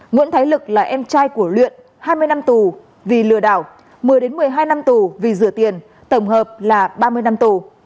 nguyễn thái lực là em trai của luyện hai mươi năm tù vì lừa đảo một mươi một mươi hai năm tù vì rửa tiền tổng hợp là ba mươi năm tù